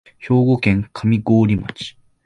兵庫県上郡町